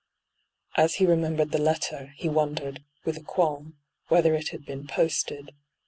^ As he remembered the letter, he wondered, with a qualm, whether it had been posted.